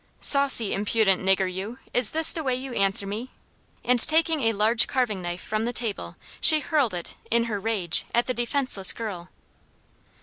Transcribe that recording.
"Saucy, impudent nigger, you! is this the way you answer me?" and taking a large carving knife from the table, she hurled it, in her rage, at the defenceless girl.